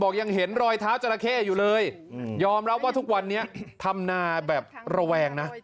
ยังเห็นรอยเท้าจราเข้อยู่เลยยอมรับว่าทุกวันนี้ทำนาแบบระแวงนะ